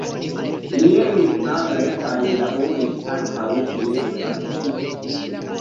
Li lernis angle kaj li laboris ankaŭ, kiel tradukisto.